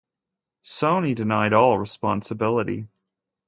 Sony denied all responsibility.